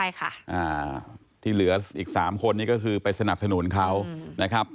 ใช่ค่ะอ่าที่เหลืออีกสามคนนี้ก็คือไปสนับสนุนเขานะครับ